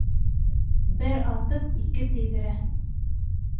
Бер атып, ике тейҙерә.